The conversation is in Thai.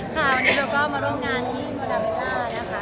วันนี้เราก็มาร่วมงานที่ประดับหน้า